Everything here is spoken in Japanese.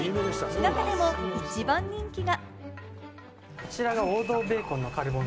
中でも一番人気が。